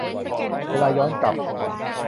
เวลาย้อนกลับ